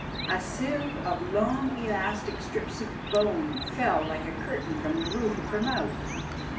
A sieve of long elastic strips of bone fell like a curtain from the roof of her mouth.